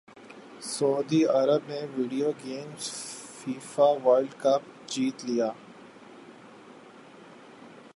سعودی عرب نے video games FIFA world cup جیت لیا